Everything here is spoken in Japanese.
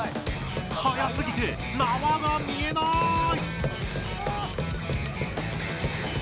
速すぎて、縄が見えない！